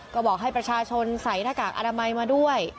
ก็บอกให้ประชาชนใส่หน้ากากอนามัยมาด้วย